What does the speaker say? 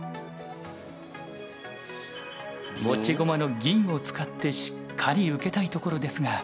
持ち駒の銀を使ってしっかり受けたいところですが。